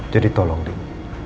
jadi tolong din